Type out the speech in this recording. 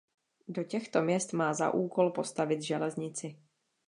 Do těchto měst má za úkol postavit železnici.